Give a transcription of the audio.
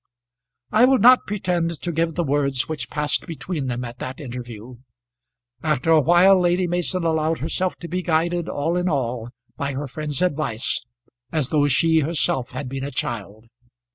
I will not pretend to give the words which passed between them at that interview. After a while Lady Mason allowed herself to be guided all in all by her friend's advice as though she herself had been a child.